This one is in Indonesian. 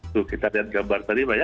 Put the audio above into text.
tuh kita lihat gambar tadi pak ya